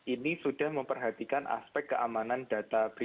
ini sudah memperhatikan aspek keamanan data pribadi